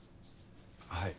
はい。